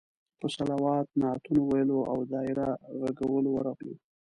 په صلوات، نعتونو ویلو او دایره غږولو ورغلو.